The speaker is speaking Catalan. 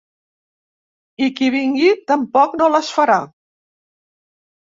I qui vingui, tampoc no les farà.